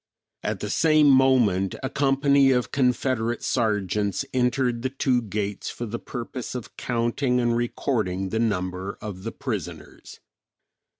At the same moment a company of Confederate sergeants entered the two gates for the purpose of counting and recording the number of the prisoners.